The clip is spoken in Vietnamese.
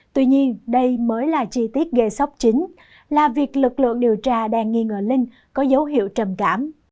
tuy nhiên đây mới là chi tiết gây sốc chính là việc lực lượng điều tra đang nghi ngờ linh có dấu hiệu trầm cảm